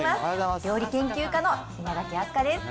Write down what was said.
料理研究家の稲垣飛鳥です。